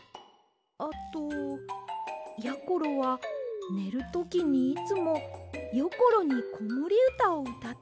あとやころはねるときにいつもよころにこもりうたをうたってもらうんです。